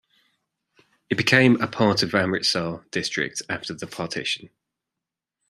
It became a part of Amritsar district after the partition.